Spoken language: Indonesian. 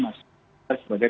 mas ganjar sebagai